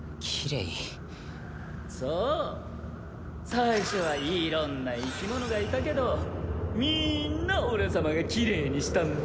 最初はいろんな生き物がいたけどみんな俺様がきれいにしたんだ。